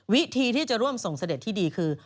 วิธีที่จะร่วมส่งเสด็จที่ดีคือ